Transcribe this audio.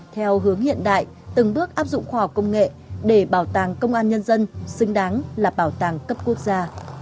theo hướng hiện đại từng bước áp dụng khoa học công nghệ để bảo tàng công an nhân dân xứng đáng là bảo tàng cấp quốc gia